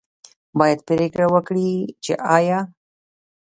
باید پرېکړه وکړي چې آیا